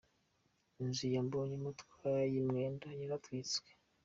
Inzu ya Mbonyumutwa y’i Mwendo yaratwitswe.